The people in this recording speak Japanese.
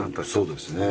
そうですね